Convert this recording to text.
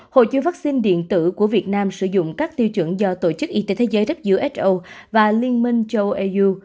hộ chiếu vaccine điện tử của việt nam sử dụng các tiêu chuẩn do tổ chức y tế thế giới who và liên minh châu âu